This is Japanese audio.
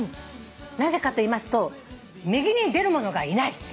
なぜかといいますと右に出る者がいないっていう。